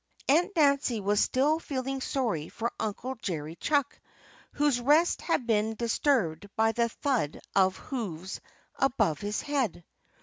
Aunt Nancy was still feeling sorry for Uncle Jerry Chuck, whose rest had been disturbed by the thud of hoofs above his head.